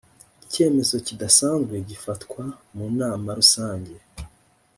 icyemezo kidasanzwe gifatwa mu nama rusange